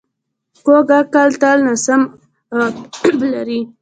کوږ عمل تل ناسم عواقب لري